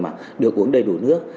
mà được uống đầy đủ nước